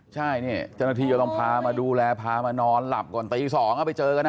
ใช่นี่จนทีเราต้องพามาดูแลพามานอนหลับก่อนตี๒ไปเจอกันนะ